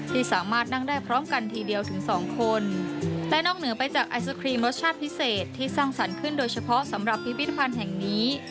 ที่สามารถนั่งได้พร้อมกันทีเดียวถึงสองคนและนอกเหนือไปจากไอศครีมรสชาติพิเศษที่สร้างสรรค์ขึ้นโดยเฉพาะสำหรับพิพิธภัณฑ์แห่งนี้